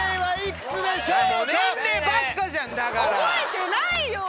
覚えてないよ！